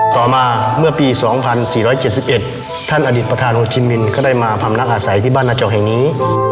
ต่อมาเมื่อปี๒๔๗๑ท่านอดิษฐประธานโอชิมินก็ได้มาพำนักอาศัยที่บ้านนาเจ้าแห่งนี้